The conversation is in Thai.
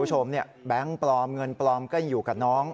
คุณผู้ชมแบงค์ปลอมเงินปลอมก็อยู่กับน้อง